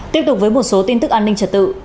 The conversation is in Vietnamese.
tiếp tục với một số tin tức an ninh trật tự